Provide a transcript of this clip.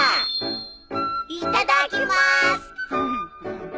いただきます。